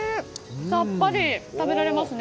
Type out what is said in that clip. さっぱり食べられますね。